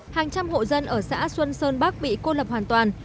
hàng trăm hộ dân ở xã xuân sơn bắc bị cô lập hoàn toàn